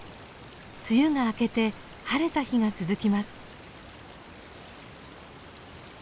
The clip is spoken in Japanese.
梅雨が明けて晴れた日が続きます。